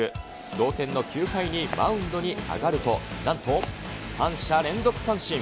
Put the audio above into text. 同点の９回にマウンドに上がると、なんと、３者連続三振。